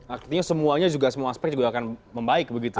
artinya semuanya juga semua aspek juga akan membaik begitu